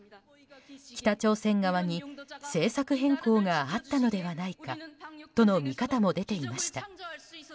北朝鮮側に、政策変更があったのではないかとの見方も出ていました。